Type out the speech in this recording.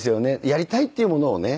やりたいっていうものをね